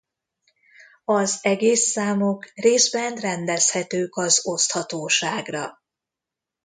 Az egész számok részben rendezhetők az oszthatóságra.